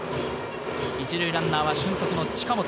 １塁ランナーは俊足の近本。